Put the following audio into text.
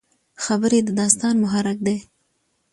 خبرې د داستان محرک دي.